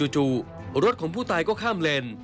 จู่รถของผู้ตายก็ข้ามเลน